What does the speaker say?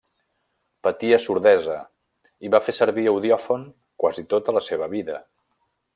Patia sordesa, i va fer servir audiòfon quasi tota la seva vida.